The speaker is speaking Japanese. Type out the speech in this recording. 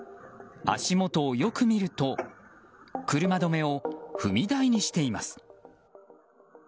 足元をよく見ると車止めを踏み台にしています。